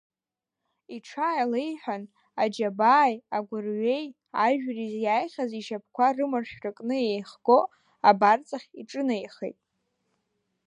Иҽааилеиҳәан, аџьабааи, агәырҩеи, ажәреи зиааихьаз ишьапқәа рымаршәа кны еихго, абарҵахь иҿынеихеит.